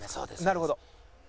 なるほど。